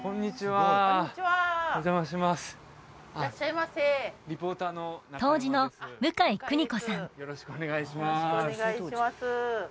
よろしくお願いします